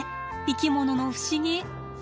生き物の不思議。